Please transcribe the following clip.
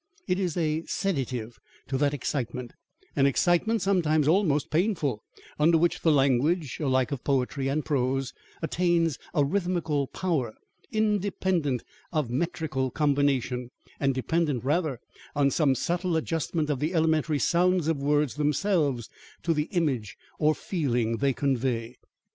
It is a sedative to that excitement, an excitement sometimes almost painful, under which the language, alike of poetry and prose, attains a rhythmical power, independent of metrical combination, and dependent rather on some subtle adjustment of the elementary sounds of words themselves to the image or feeling they convey.